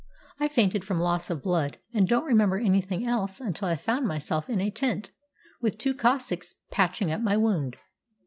I fainted from loss of blood, and don't remember anything else until I found myself in a tent, with two Cossacks patching up my wound.